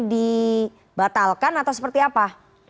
dibatalkan atau seperti apa